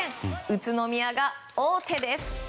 宇都宮が王手です。